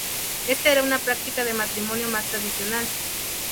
Esta era una práctica de matrimonio más tradicional.